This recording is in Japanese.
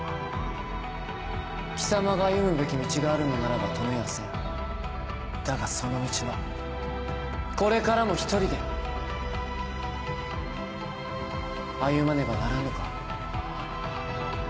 貴様が歩むべき道があるのならば止めだがその道はこれからも一人で歩まねばならぬか？